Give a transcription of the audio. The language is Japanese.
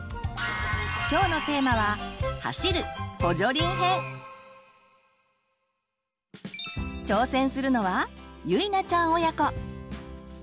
今日のテーマは挑戦するのはゆいなちゃん親子。